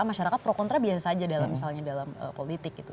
masyarakat pro kontra biasa saja dalam misalnya dalam politik gitu